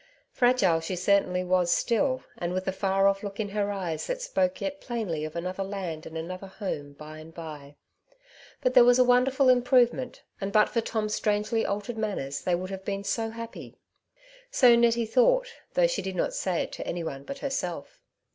Fragile she certainly was still, and with the far ofif look in her eyes that spoke yet plainly of another land and another home by and by \ but there was wonderful improvement, and but for Tom's strangely altered manners they would have been so happy. So Nettie thought, though she did not say it to any one but herself.